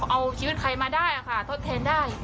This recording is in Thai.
เอาชีวิตใครมาได้ค่ะทดแทนได้